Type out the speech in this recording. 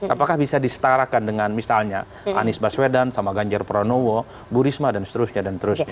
apakah bisa disetarakan dengan misalnya anies baswedan sama ganjar pranowo bu risma dan seterusnya dan seterusnya